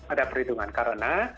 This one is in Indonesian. ada perhitungan karena